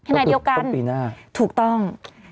ขณะเดียวกันถูกต้อง